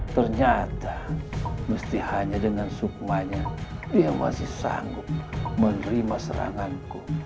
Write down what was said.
ternyata mesti hanya dengan sukmanya dia masih sanggup menerima seranganku